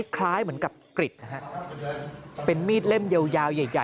คล้ายเหมือนกับกริดนะฮะเป็นมีดเล่มยาวใหญ่